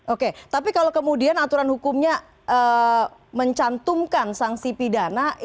oke tapi kalau kemudian aturan hukumnya mencantumkan sanksi pidana